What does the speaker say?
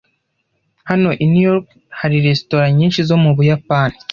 Hano i New York hari resitora nyinshi zo mu Buyapani.